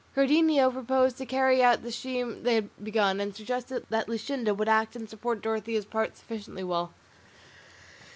Cardenio proposed to carry out the scheme they had begun, and suggested that Luscinda would act and support Dorothea's part sufficiently well.